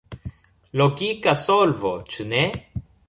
Logika solvo, ĉu ne?